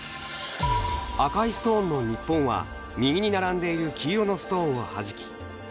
赤いストーンの日本は右に並んでいる黄色のストーンをはじき